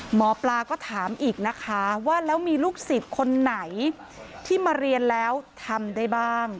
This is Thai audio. หมอปลาก็ถามอีกนะคะว่าแล้วมีลูกศิษย์คนไหนที่มาเรียนแล้วทำได้บ้าง